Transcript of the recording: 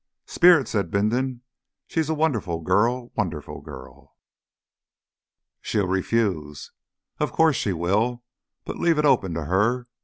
"Spirit!" said Bindon. "She's a wonderful girl a wonderful girl!" "She'll refuse." "Of course she will. But leave it open to her.